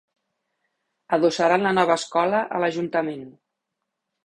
Adossaran la nova escola a l'ajuntament.